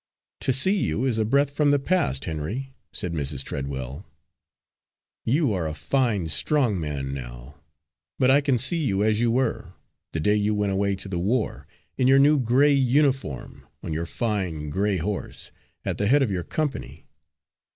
"To see you is a breath from the past, Henry," said Mrs. Treadwell. "You are a fine, strong man now, but I can see you as you were, the day you went away to the war, in your new gray uniform, on your fine gray horse, at the head of your company.